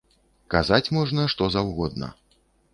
Казаць можна што заўгодна.